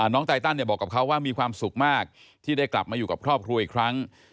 ไตตันบอกกับเขาว่ามีความสุขมากที่ได้กลับมาอยู่กับครอบครัวอีกครั้ง